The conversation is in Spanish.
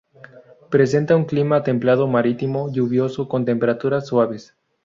Presenta un clima templado marítimo, lluvioso, con temperaturas suaves.